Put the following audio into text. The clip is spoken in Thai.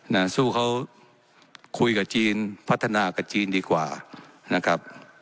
น่ะสู้เขาคุยกับจีนพัฒนากับจีนดีกว่านะครับ